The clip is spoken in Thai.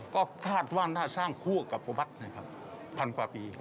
ก็คาดว่าน่าสร้างคู่กับโอบัตินะครับพันกว่าปี